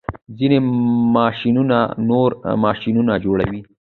ځینې ماشینونه نور ماشینونه جوړوي.